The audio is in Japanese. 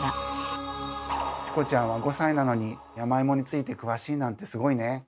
チコちゃんは５歳なのに山芋について詳しいなんてすごいね。